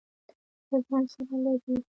له ځان سره لري.